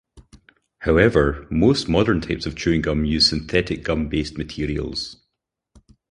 However, most modern types of chewing gum use synthetic gum based materials.